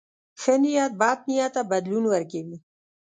ښه نیت بد نیت ته بدلون ورکوي.